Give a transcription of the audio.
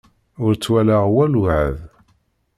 Ur twalaḍ walu ɛad.